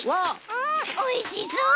うんおいしそう！